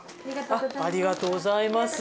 ありがとうございます。